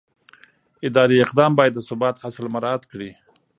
اداري اقدام باید د ثبات اصل مراعت کړي.